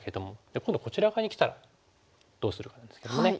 今度こちら側にきたらどうするかなんですけどもね。